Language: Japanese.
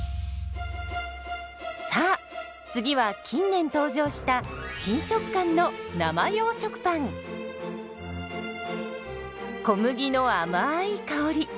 さあ次は近年登場した新食感の小麦のあまい香り。